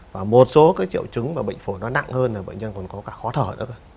và một số cái triệu chứng và bệnh phổi nó nặng hơn là bệnh nhân còn có cả khó thở nữa